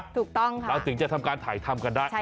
ถูกต้องค่ะใช่แล้วแล้วติ๋งจะทำการถ่ายทำกันได้